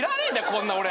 こんな俺。